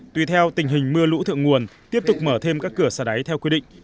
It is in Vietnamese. tùy theo tình hình mưa lũ thượng nguồn tiếp tục mở thêm các cửa xả đáy theo quy định